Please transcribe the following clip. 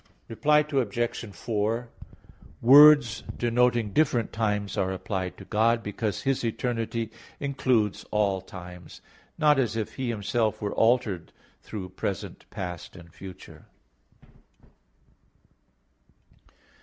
Reply Obj. 4: Words denoting different times are applied to God, because His eternity includes all times; not as if He Himself were altered through present, past and future.